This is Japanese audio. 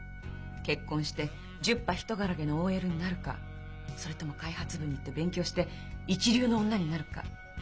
結婚して十把一からげのＯＬになるかそれとも開発部に行って勉強して一流の女になるか。